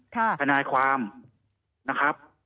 ทนายความนะครับ